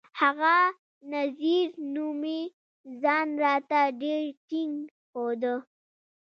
هغه نذير نومي ځان راته ډېر ټينګ ښوده.